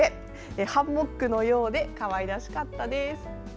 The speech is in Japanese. ハンモックのようでかわいらしかったです。